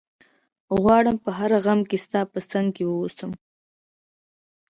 غواړم په هر غم کي ستا په څنګ کي ووسم